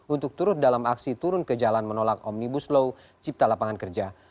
untuk turut dalam aksi turun ke jalan menolak omnibus law cipta lapangan kerja